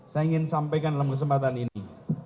saya ingin sampaikan dalam kesempatan ini